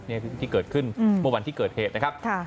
นี่ที่เกิดขึ้นเมื่อวันที่เกิดเหตุนะครับ